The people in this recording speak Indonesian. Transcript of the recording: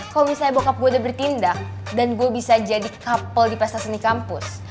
kalau misalnya bokap gue udah bertindak dan gue bisa jadi kapal di pesta seni kampus